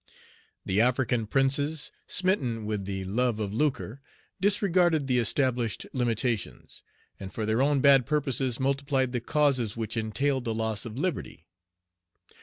The African princes, smitten with the love of lucre, disregarded the established limitations, and for their own bad purposes multiplied the causes which entailed the loss of liberty.